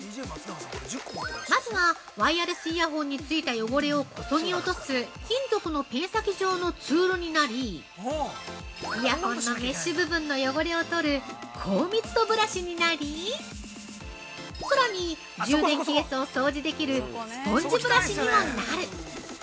まずはワイヤレスイヤホンに着いた汚れをこそぎ落とす金属のペン先状のツールになりイヤホンのメッシュ部分の汚れを取る、高密度ブラシになりさらに、充電ケースを掃除できるスポンジブラシにもなる。